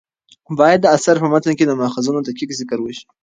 باید د اثر په متن کې د ماخذونو دقیق ذکر وشي.